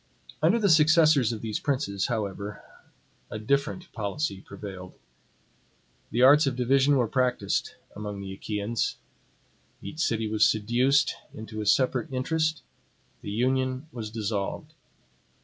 Under the successors of these princes, however, a different policy prevailed. The arts of division were practiced among the Achaeans. Each city was seduced into a separate interest; the union was dissolved.